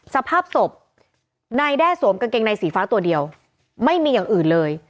สภาพศพนายแด้สวมกางเกงในสีฟ้าตัวเดียวไม่มีอย่างอื่นเลย